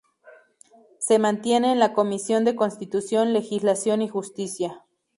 Se mantiene en la Comisión de Constitución, Legislación y Justicia.